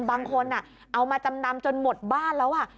บางคนเอามาจำนำจนหมดบ้านแล้ว